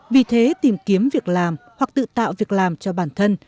vì thế tìm kiếm việc làm hoặc tự tạo việc làm cho bản thân